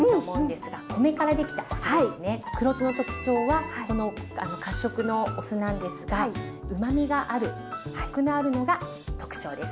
黒酢の特徴はこの褐色のお酢なんですがうまみがあるコクのあるのが特徴です。